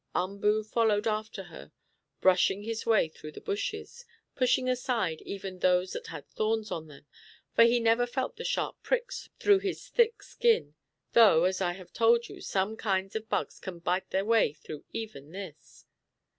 Umboo followed after her, brushing his way through the bushes, pushing aside even those that had thorns on them, for he never felt the sharp pricks through his thick skin, though, as I have told you, some kinds of bugs can bite their way through even this.